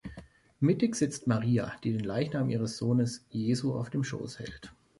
Mittig sitzt Maria, die den Leichnam ihres Sohnes, Jesu auf dem Schoß hält.